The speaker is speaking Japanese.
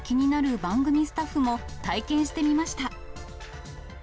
番組スタッフも、体験してみました。